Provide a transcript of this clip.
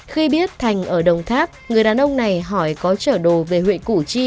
khi biết thành ở đồng tháp người đàn ông này hỏi có trở đồ về huyện củ chi